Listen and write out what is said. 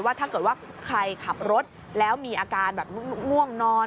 ถ้าเกิดว่าใครขับรถแล้วมีอาการแบบง่วงนอน